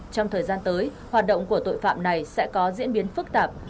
trong thời gian tới hoạt động của tội phạm này sẽ có diễn biến phức tạp